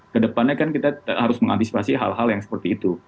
kedepannya kan kita harus mengantisipasi hal hal yang seperti itu